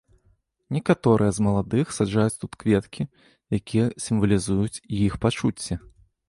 Некаторыя з маладых саджаюць тут кветкі, якія сімвалізуюць іх пачуцці.